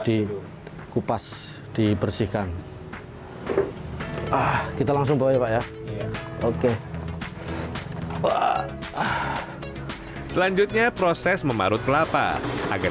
dikupas dibersihkan ah kita langsung bawa ya pak ya oke selanjutnya proses memarut kelapa agar